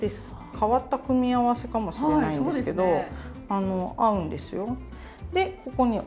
変わった組み合わせかもしれないんですけど合うんですよ。